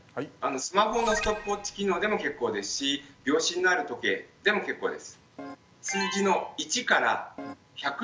スマホのストップウォッチ機能でも結構ですし秒針のある時計でも結構です。